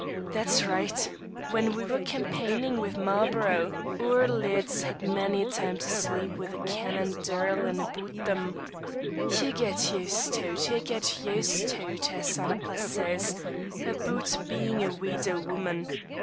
"That's richt. When we were campaignin' wi' Marlborough oor lads had many a time to sleep wi' the cannon dirlin' aboot them. Ye get us'd to't, ye get us'd to't, as Annapla says aboot bein' a weedow woman.